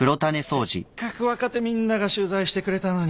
せっかく若手みんなが取材してくれたのに。